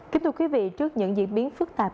kính thưa quý vị trước những diễn biến phức tạp